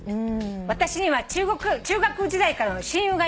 「私には中学時代からの親友がいます」